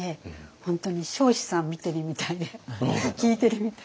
本当に彰子さん見てるみたいで聞いてるみたいで。